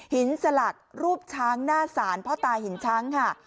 หินสลักรูปช้างหน้าศาลเพราะตายหินช้างค่ะ